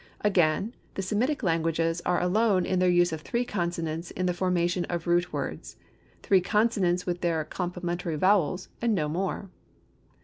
Again, the Semitic languages are alone in their use of three consonants in the formation of root words; three consonants with their complementary vowels and no more.